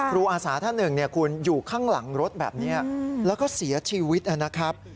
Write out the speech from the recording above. อาสาท่านหนึ่งคุณอยู่ข้างหลังรถแบบนี้แล้วก็เสียชีวิตนะครับ